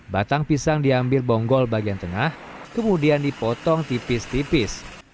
batang pisang diambil bonggol bagian tengah kemudian dipotong tipis tipis